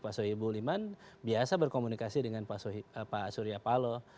pak soeibuliman biasa berkomunikasi dengan pak surya paloh